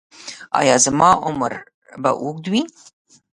ایا زما عمر به اوږد وي؟